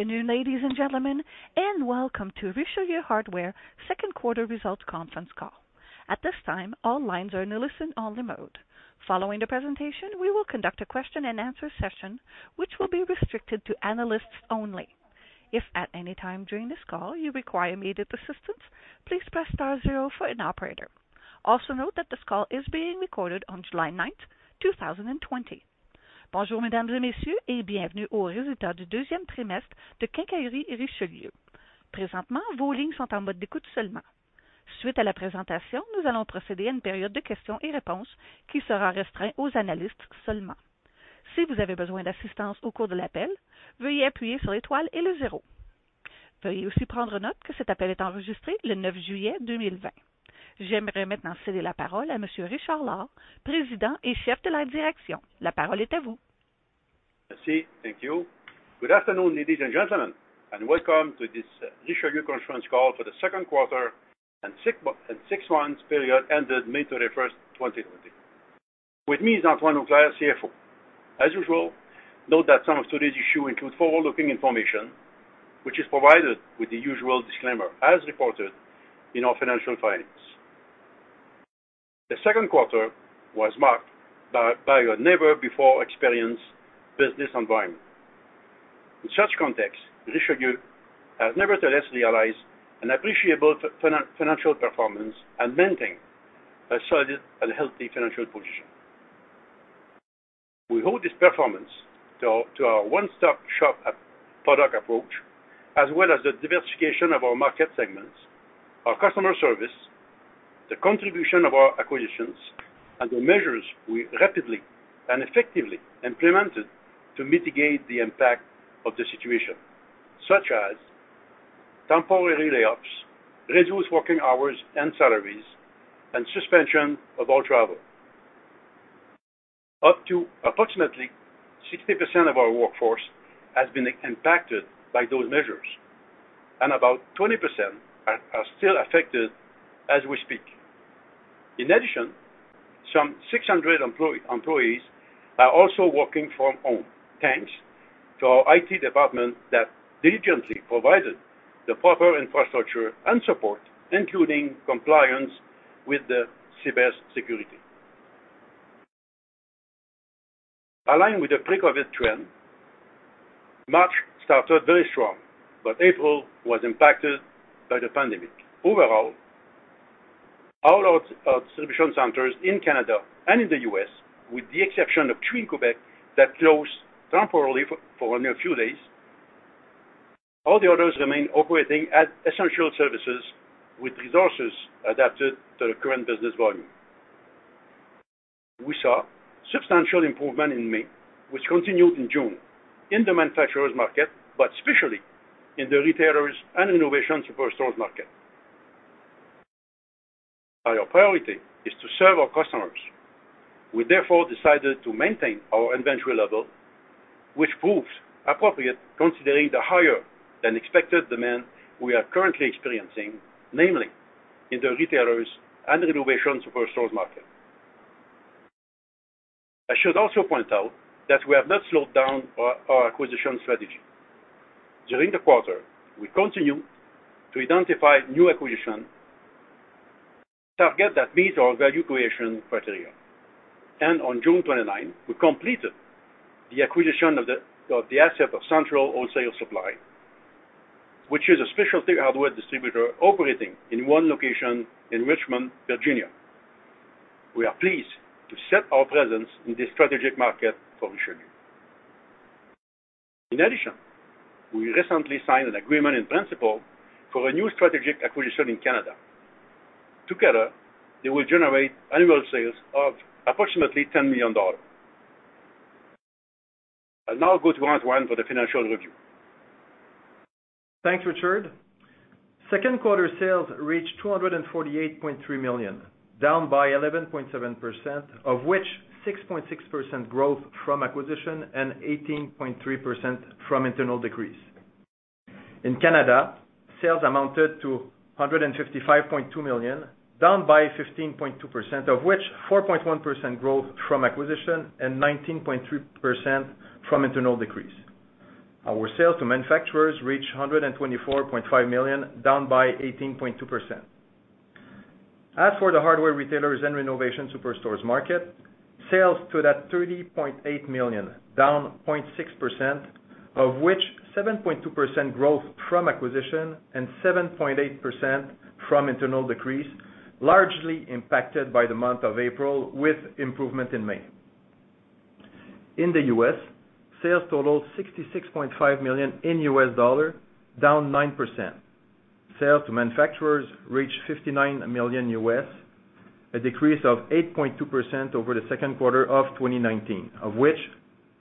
Good afternoon, ladies and gentlemen, welcome to Richelieu Hardware second quarter results conference call. At this time, all lines are in a listen-only mode. Following the presentation, we will conduct a question and answer session which will be restricted to analysts only. If at any time during this call you require immediate assistance, please press star zero for an operator. Also note that this call is being recorded on July 9, 2020. Merci. Thank you. Good afternoon, ladies and gentlemen, and welcome to this Richelieu conference call for the second quarter and six months period ended May 31st, 2020. With me is Antoine Auclair, CFO. As usual, note that some of today's issue include forward-looking information, which is provided with the usual disclaimer as reported in our financial filings. The second quarter was marked by a never before experienced business environment. In such context, Richelieu has nevertheless realized an appreciable financial performance and maintained a solid and healthy financial position. We owe this performance to our one-stop shop product approach, as well as the diversification of our market segments, our customer service, the contribution of our acquisitions, and the measures we rapidly and effectively implemented to mitigate the impact of the situation, such as temporary layoffs, reduced working hours and salaries, and suspension of all travel. Up to approximately 60% of our workforce has been impacted by those measures, and about 20% are still affected as we speak. In addition, some 600 employees are also working from home, thanks to our IT department that diligently provided the proper infrastructure and support, including compliance with the [CBEST security]. Aligned with the pre-COVID trend, March started very strong, but April was impacted by the pandemic. Overall, all our distribution centers in Canada and in the U.S., with the exception of three in Quebec that closed temporarily for only a few days, all the others remain operating as essential services with resources adapted to the current business volume. We saw substantial improvement in May, which continued in June in the manufacturer's market, but especially in the retailers and renovation superstores market. Our priority is to serve our customers. We therefore decided to maintain our inventory level, which proves appropriate considering the higher-than-expected demand we are currently experiencing, namely in the retailers and renovation superstores market. I should also point out that we have not slowed down our acquisition strategy. During the quarter, we continued to identify new acquisition targets that meet our value creation criteria. On June 29, we completed the acquisition of the asset of Central Wholesale Supply, which is a specialty hardware distributor operating in one location in Richmond, Virginia. We are pleased to set our presence in this strategic market for Richelieu. In addition, we recently signed an agreement in principle for a new strategic acquisition in Canada. Together, they will generate annual sales of approximately 10 million dollars. I'll now go to Antoine for the financial review. Thanks, Richard. Second quarter sales reached 248.3 million, down by 11.7%, of which 6.6% growth from acquisition and 18.3% from internal decrease. In Canada, sales amounted to 155.2 million, down by 15.2%, of which 4.1% growth from acquisition and 19.3% from internal decrease. Our sales to manufacturers reached 124.5 million, down by 18.2%. As for the hardware retailers and renovation superstores market, sales stood at 30.8 million, down 0.6% of which 7.2% growth from acquisition and 7.8% from internal decrease, largely impacted by the month of April with improvement in May. In the U.S., sales totaled $66.5 million in US dollar, down 9%. Sales to manufacturers reached $59 million US, a decrease of 8.2% over the second quarter of 2019, of which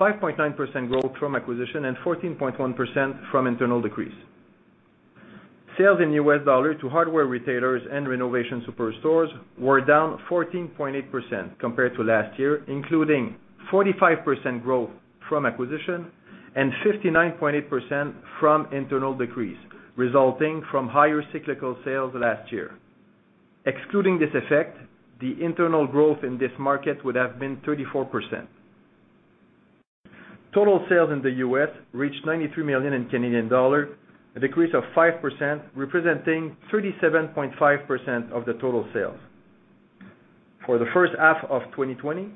5.9% growth from acquisition and 14.1% from internal decrease. Sales in U.S. dollar to hardware retailers and renovation superstores were down 14.8% compared to last year, including 45% growth from acquisition and 59.8% from internal decrease, resulting from higher cyclical sales last year. Excluding this effect, the internal growth in this market would have been 34%. Total sales in the U.S. reached CAD 93 million, a decrease of 5%, representing 37.5% of the total sales. For the first half of 2020,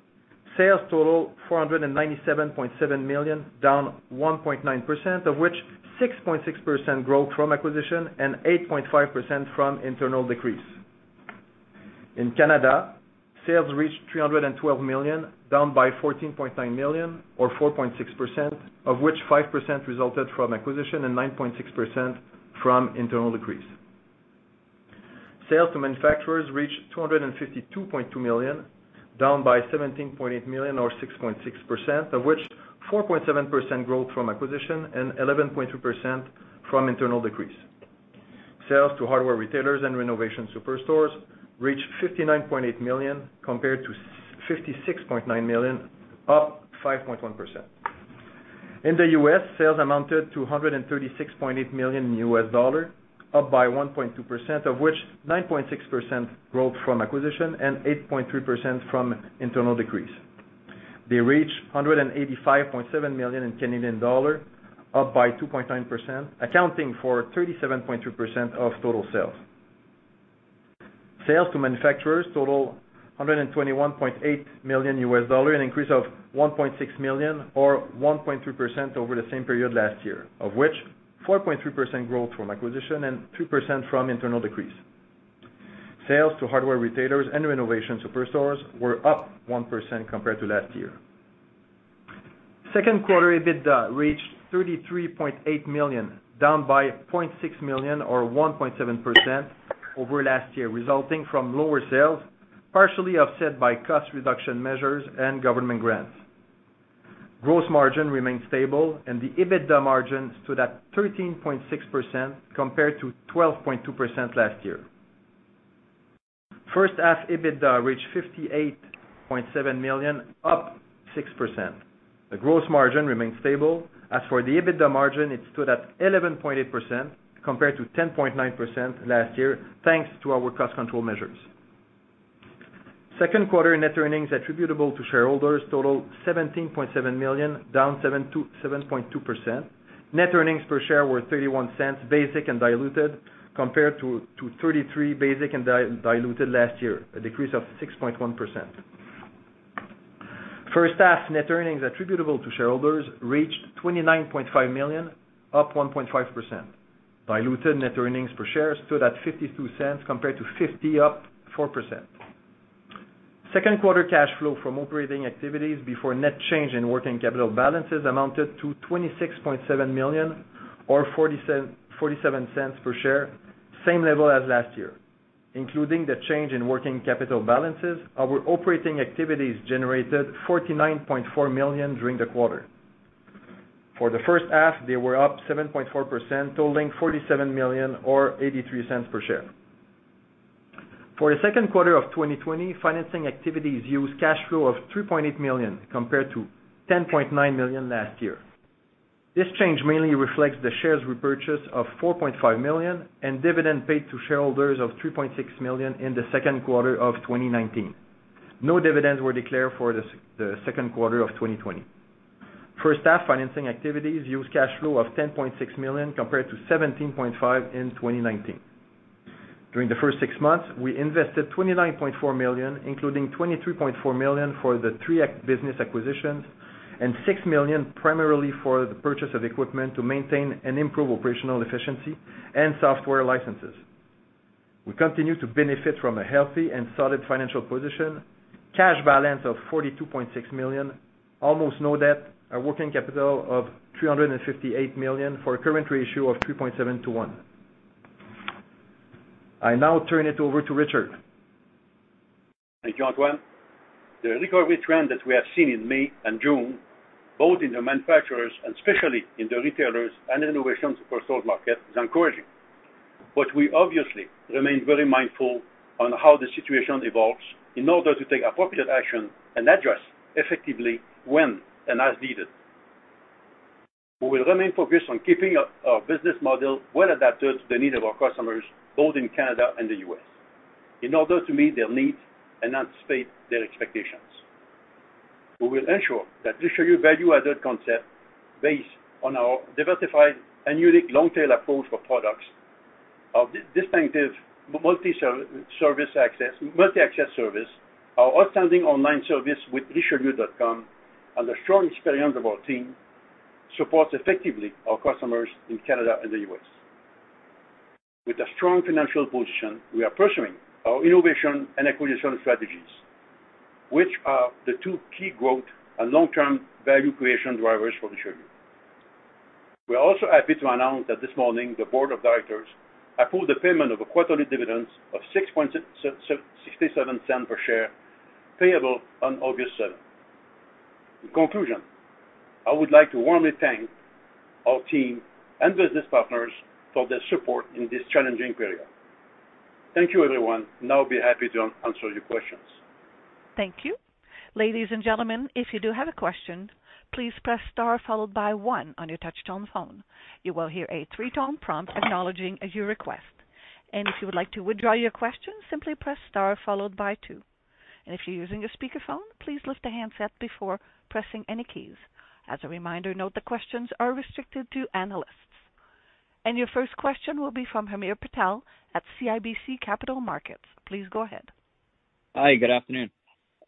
sales total 497.7 million, down 1.9%, of which 6.6% growth from acquisition and 8.5% from internal decrease. In Canada, sales reached 312 million, down by 14.9 million or 4.6%, of which 5% resulted from acquisition and 9.6% from internal decrease. Sales to manufacturers reached 252.2 million, down by 17.8 million or 6.6%, of which 4.7% growth from acquisition and 11.2% from internal decrease. Sales to hardware retailers and renovation superstores reached 59.8 million, compared to 56.9 million, up 5.1%. In the U.S., sales amounted to $136.8 million, up by 1.2%, of which 9.6% growth from acquisition and 8.3% from internal decrease. They reached 185.7 million, up by 2.9%, accounting for 37.2% of total sales. Sales to manufacturers total CAD 121.8 million, an increase of 1.6 million or 1.3% over the same period last year, of which 4.3% growth from acquisition and 2% from internal decrease. Sales to hardware retailers and renovation superstores were up 1% compared to last year. Second quarter EBITDA reached 33.8 million, down by 0.6 million or 1.7% over last year, resulting from lower sales, partially offset by cost reduction measures and government grants. Gross margin remained stable and the EBITDA margin stood at 13.6% compared to 12.2% last year. First half EBITDA reached 58.7 million, up 6%. The gross margin remained stable. As for the EBITDA margin, it stood at 11.8% compared to 10.9% last year, thanks to our cost control measures. Second quarter net earnings attributable to shareholders totaled 17.7 million, down 7.2%. Net earnings per share were 0.31 basic and diluted, compared to 0.33 basic and diluted last year, a decrease of 6.1%. First half net earnings attributable to shareholders reached 29.5 million, up 1.5%. Diluted net earnings per share stood at 0.52 compared to 0.50, up 4%. Second quarter cash flow from operating activities before net change in working capital balances amounted to 26.7 million, or 0.47 per share, same level as last year. Including the change in working capital balances, our operating activities generated 49.4 million during the quarter. For the first half, they were up 7.4%, totaling 47 million or 0.83 per share. For the second quarter of 2020, financing activities used cash flow of 3.8 million compared to 10.9 million last year. This change mainly reflects the shares repurchase of 4.5 million and dividend paid to shareholders of 3.6 million in the second quarter of 2019. No dividends were declared for the second quarter of 2020. First half financing activities used cash flow of 10.6 million compared to 17.5 million in 2019. During the first six months, we invested 29.4 million, including 23.4 million for the three business acquisitions and 6 million primarily for the purchase of equipment to maintain and improve operational efficiency and software licenses. We continue to benefit from a healthy and solid financial position. Cash balance of 42.6 million, almost no debt, a working capital of 358 million for a current ratio of 3.7 to 1. I now turn it over to Richard. Thank you, Antoine. The recovery trend that we have seen in May and June, both in the manufacturers and especially in the retailers and renovation superstore market, is encouraging. We obviously remain very mindful on how the situation evolves in order to take appropriate action and address effectively when and as needed. We will remain focused on keeping our business model well adapted to the need of our customers, both in Canada and the U.S., in order to meet their needs and anticipate their expectations. We will ensure that the Richelieu value-added concept based on our diversified and unique long-tail approach for products of distinctive multi-access service, our outstanding online service with richelieu.com, and the strong experience of our team, supports effectively our customers in Canada and the U.S. With a strong financial position, we are pursuing our innovation and acquisition strategies, which are the two key growth and long-term value creation drivers for Richelieu. We are also happy to announce that this morning, the board of directors approved the payment of a quarterly dividend of 0.0667 per share, payable on August 7th. In conclusion, I would like to warmly thank our team and business partners for their support in this challenging period. Thank you, everyone. Now I'll be happy to answer your questions. Thank you. Ladies and gentlemen, if you do have a question, please press star followed by one on your touch-tone phone. You will hear a three-tone prompt acknowledging your request. If you would like to withdraw your question, simply press star followed by two. If you're using a speakerphone, please lift the handset before pressing any keys. As a reminder, note that questions are restricted to analysts. Your first question will be from Hamir Patel at CIBC Capital Markets. Please go ahead. Hi, good afternoon.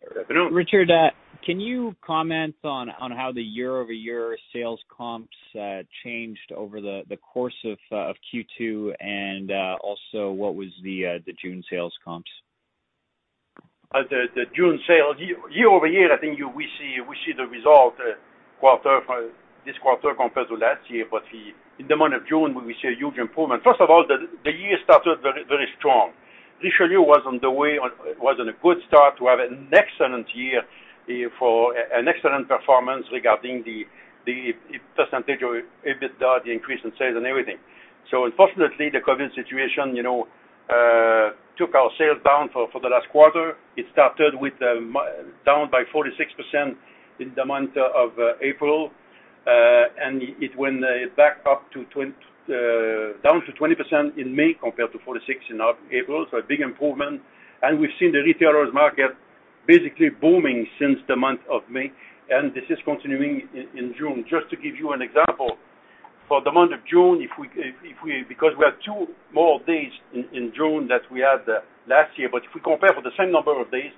Good afternoon. Richard, can you comment on how the year-over-year sales comps changed over the course of Q2, and also what was the June sales comps? The June sales. year-over-year, I think we see the result this quarter compared to last year. In the month of June, we see a huge improvement. First of all, the year started very strong. Richelieu was in a good start to have an excellent year for an excellent performance regarding the percentage of EBITDA, the increase in sales, and everything. Unfortunately, the COVID situation took our sales down for the last quarter. It started with down by 46% in the month of April, and it went back down to 20% in May compared to 46% in April. A big improvement, and we've seen the retailers market basically booming since the month of May, and this is continuing in June. Just to give you an example, for the month of June, because we had two more days in June than we had last year. If we compare for the same number of days,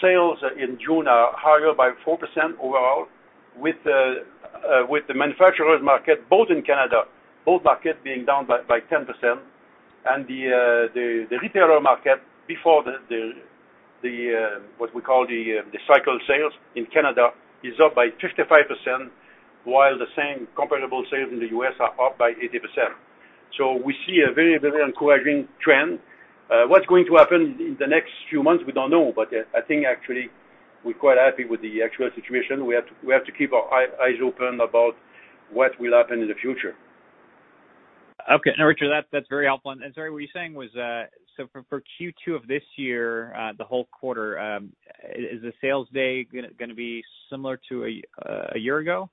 sales in June are higher by 4% overall with the manufacturer's market, both in Canada, both markets being down by 10%. The retailer market before the, what we call the cycle sales in Canada is up by 55%, while the same comparable sales in the U.S. are up by 80%. We see a very encouraging trend. What's going to happen in the next few months, we don't know. I think actually we're quite happy with the actual situation. We have to keep our eyes open about what will happen in the future. Okay. Richard, that's very helpful. Sorry, what you're saying was, for Q2 of this year, the whole quarter, is the sales day going to be similar to a year ago?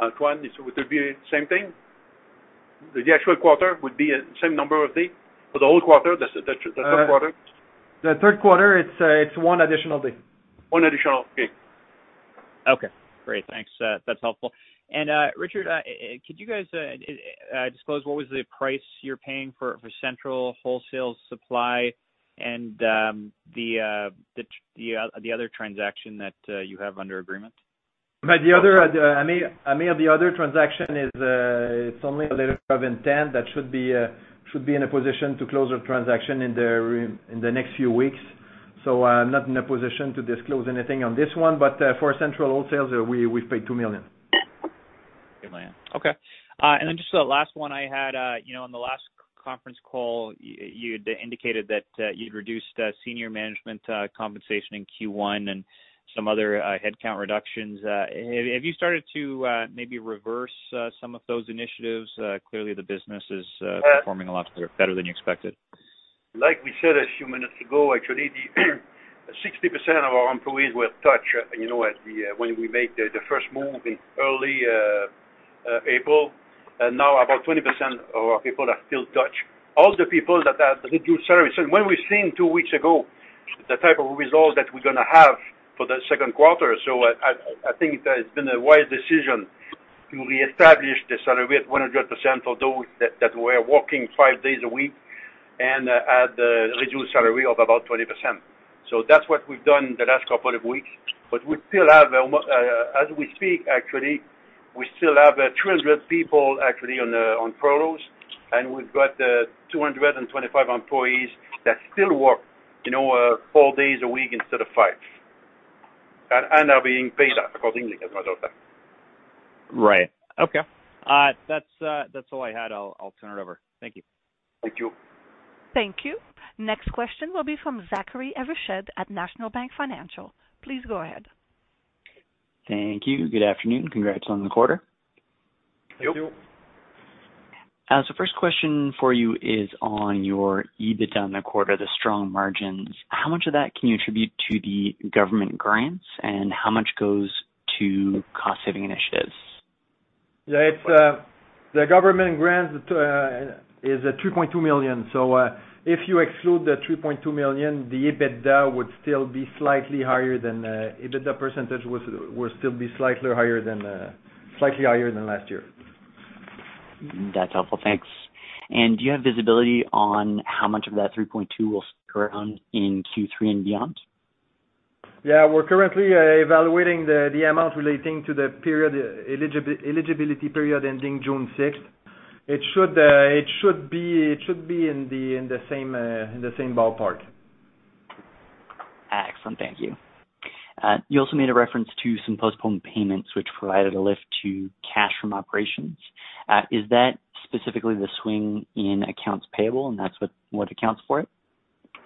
Antoine, would it be same thing? The actual quarter would be same number of day for the whole quarter, the third quarter? The third quarter, it's one additional day. One additional day. Okay, great. Thanks. That's helpful. Richard, could you guys disclose what was the price you're paying for Central Wholesale Supply and the other transaction that you have under agreement? Hamir, the other transaction is, it's only a letter of intent that should be in a position to close a transaction in the next few weeks. I'm not in a position to disclose anything on this one, but for Central Wholesale, we paid 2 million. 2 million. Okay. Just the last one I had. In the last conference call, you had indicated that you'd reduced senior management compensation in Q1 and some other headcount reductions. Have you started to maybe reverse some of those initiatives? Clearly the business is performing a lot better than you expected. Like we said a few minutes ago, actually, 60% of our employees were touched when we made the first move in early April. Now, about 20% of our people are still touched, all the people that had reduced salary. When we've seen two weeks ago the type of results that we're going to have for the second quarter, I think it's been a wise decision to reestablish the salary with 100% for those that were working five days a week and had a reduced salary of about 20%. That's what we've done the last couple of weeks. As we speak, actually, we still have 300 people actually on furloughs, and we've got 225 employees that still work four days a week instead of five and are being paid accordingly as a result of that. Right. Okay. That's all I had. I'll turn it over. Thank you. Thank you. Thank you. Next question will be from Zachary Evershed at National Bank Financial. Please go ahead. Thank you. Good afternoon. Congrats on the quarter. Thank you. Thank you. First question for you is on your EBITDA in the quarter, the strong margins. How much of that can you attribute to the government grants and how much goes to cost-saving initiatives? The government grants is 3.2 million. If you exclude the 3.2 million, the EBITDA % will still be slightly higher than last year. That's helpful. Thanks. Do you have visibility on how much of that 3.2 will stick around in Q3 and beyond? Yeah, we're currently evaluating the amount relating to the eligibility period ending June 6th. It should be in the same ballpark. Excellent. Thank you. You also made a reference to some postponed payments which provided a lift to cash from operations. Is that specifically the swing in accounts payable, and that's what accounts for it?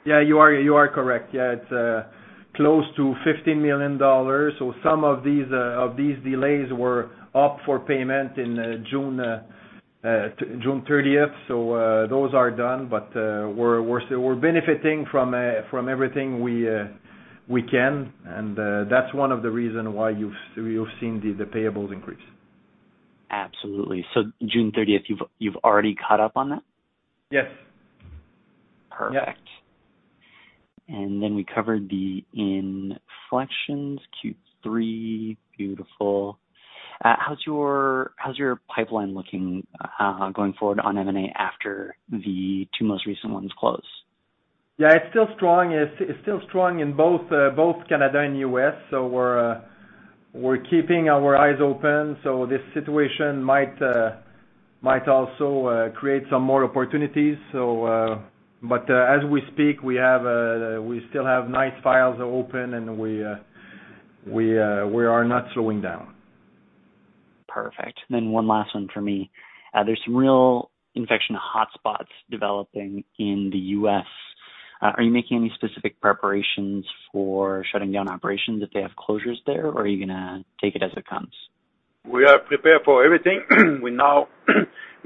Yeah, you are correct. Yeah, it's close to 15 million dollars. Some of these delays were up for payment in June 30th. Those are done, but we're benefiting from everything we can. That's one of the reason why you've seen the payables increase. Absolutely. June 30th, you've already caught up on that? Yes. Perfect. Yes. Then we covered the inflections Q3. Beautiful. How's your pipeline looking going forward on M&A after the two most recent ones close? Yeah, it's still strong. It's still strong in both Canada and U.S. We're keeping our eyes open. This situation might also create some more opportunities. As we speak, we still have nice files open, and we are not slowing down. Perfect. One last one from me. There's some real infection hotspots developing in the U.S. Are you making any specific preparations for shutting down operations if they have closures there, or are you going to take it as it comes? We are prepared for everything. We know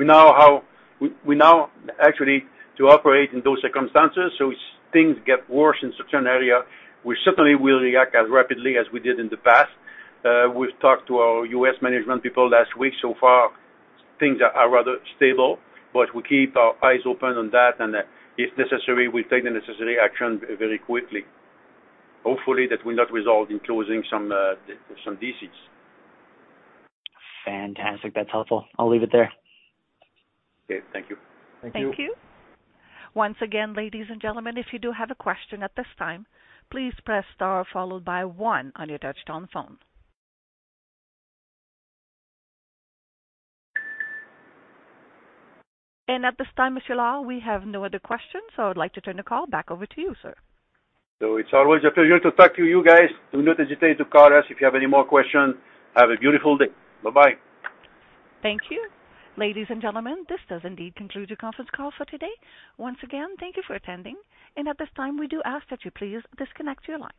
how actually to operate in those circumstances. If things get worse in certain area, we certainly will react as rapidly as we did in the past. We've talked to our U.S. management people last week. So far, things are rather stable. We keep our eyes open on that, and if necessary, we take the necessary action very quickly. Hopefully, that will not result in closing some DCs. Fantastic. That's helpful. I'll leave it there. Okay. Thank you. Thank you. Thank you. Once again, ladies and gentlemen, if you do have a question at this time, please press star followed by one on your touch-tone phone. At this time, Monsieur Lord, we have no other questions. I'd like to turn the call back over to you, sir. It's always a pleasure to talk to you guys. Do not hesitate to call us if you have any more questions. Have a beautiful day. Bye-bye. Thank you. Ladies and gentlemen, this does indeed conclude your conference call for today. Once again, thank you for attending, and at this time, we do ask that you please disconnect your lines.